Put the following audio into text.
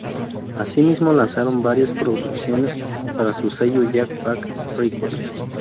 Asimismo lanzaron varias producciones para su sello Jack Back Records.